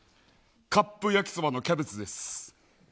カップ焼きそばのキャベツです。